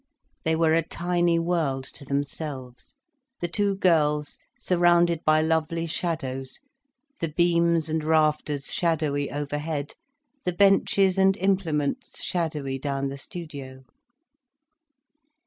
They were a tiny world to themselves, the two girls surrounded by lovely shadows, the beams and rafters shadowy over head, the benches and implements shadowy down the studio.